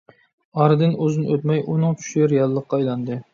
ئارىدىن ئۇزۇن ئۆتمەي، ئۇنىڭ چۈشى رىياللىققا ئايلاندى.